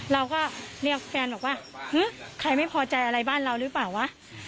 เราก็เรียกแฟนบอกว่าฮือใครไม่พอใจอะไรบ้านเราหรือเปล่าวะ